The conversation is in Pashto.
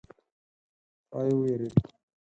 سړی وویرید.